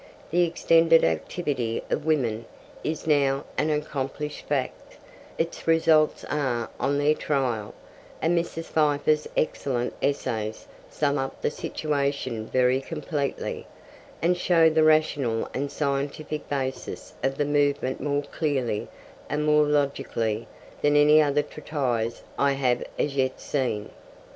The extended activity of women is now an accomplished fact; its results are on their trial; and Mrs. Pfeiffer's excellent essays sum up the situation very completely, and show the rational and scientific basis of the movement more clearly and more logically than any other treatise I have as yet seen.